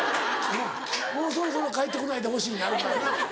もうそろそろ「帰ってこないでほしい」になるからな。